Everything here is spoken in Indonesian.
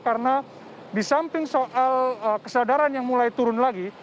karena di samping soal kesadaran yang mulai turun lagi